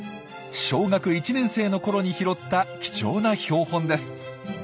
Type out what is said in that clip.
小学１年生のころに拾った貴重な標本です。